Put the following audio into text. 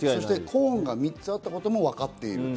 コーンが３つあったことも分かっている。